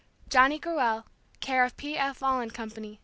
Johnny Gruelle, Care of P. F. Volland Company.